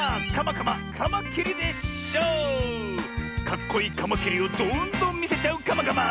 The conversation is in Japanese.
かっこいいカマキリをどんどんみせちゃうカマカマ。